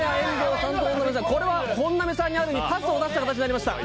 これは本並さんにある意味パスを出した形になりました。